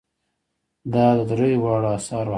دا د دریو واړو آثارو حق دی.